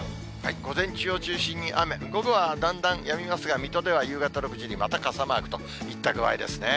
午前中を中心に雨、午後はだんだんやみますが、水戸は夕方６時にまた傘マークといった具合ですね。